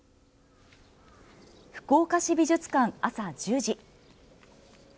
福岡市美術館、朝１０時。